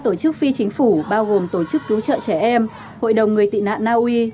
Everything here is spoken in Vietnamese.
tổ chức phi chính phủ bao gồm tổ chức cứu trợ trẻ em hội đồng người tị nạn naui